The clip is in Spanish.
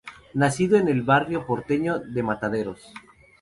Nacido en el barrio porteño de Mataderos.